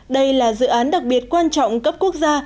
đây là dự án đặc biệt quan trọng cấp quốc gia